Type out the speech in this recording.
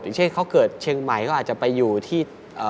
เช่นเขาเกิดเชียงใหม่เขาอาจจะไปอยู่ที่